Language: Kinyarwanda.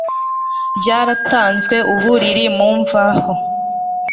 ryaratanzwe ubu riri mu mvaho